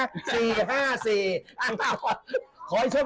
เอาขอชมดีทุกท่ันนะครับ